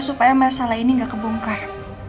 supaya masalah ini nggak kebongkar